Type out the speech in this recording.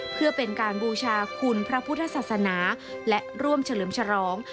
เพื่อเป็นการบูชาคุณพระพุทธศาสนาและร่วมเฉลิมฉลอง